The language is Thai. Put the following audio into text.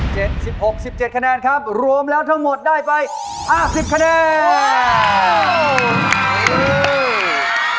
สิบหกสิบเจ็ดคะแนนครับรวมแล้วทั้งหมดได้ไปห้าสิบคะแนน